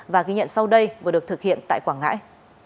và ghi nhận sau đây vừa được thực hiện tại quảng ngãi